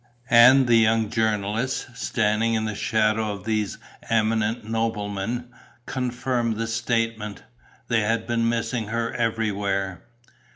And the young journalists, standing in the shadow of these eminent noblemen, confirmed the statement: they had been missing her everywhere.